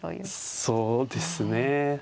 そうですね。